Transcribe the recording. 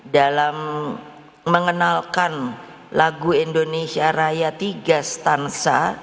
dalam mengenalkan lagu indonesia raya tiga stansa